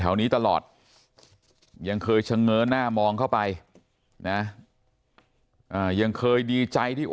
นี้ตลอดยังเคยเฉง้อหน้ามองเข้าไปนะยังเคยดีใจที่